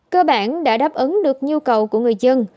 cơ bản đã đáp ứng được nhu cầu của người dân